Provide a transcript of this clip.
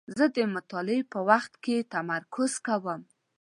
زه د مطالعې په وخت کې تمرکز کوم.